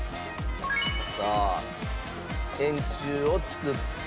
さあ円柱を作って。